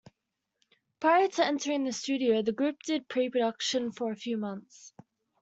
Prior to entering the studio, the group did pre-production for a few months.